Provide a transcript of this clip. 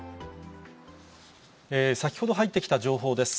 先ほど入ってきた情報です。